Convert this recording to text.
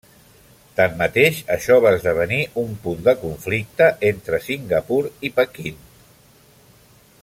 Tanmateix, això va esdevenir un punt de conflicte entre Singapur i Pequín.